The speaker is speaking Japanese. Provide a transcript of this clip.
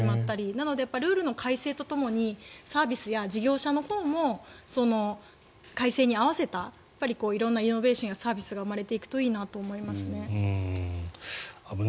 なのでルールの改正とともにサービスや事業者の方も改正に合わせた色んなイノベーションやサービスが生まれていくといいなと思いますね。